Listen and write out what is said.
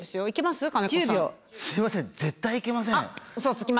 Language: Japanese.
いけます？